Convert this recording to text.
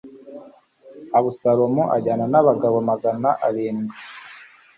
abusalomu ajyana n abagabo magana abiri